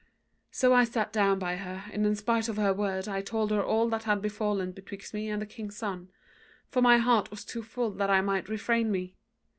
"So I sat down by her, and in spite of her word I told her all that had befallen betwixt me and the king's son: for my heart was too full that I might refrain me.